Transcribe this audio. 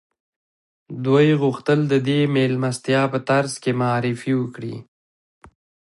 دوی غوښتل د دې مېلمستیا په ترڅ کې معرفي وکړي